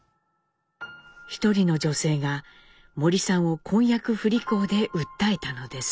一人の女性が森さんを婚約不履行で訴えたのです。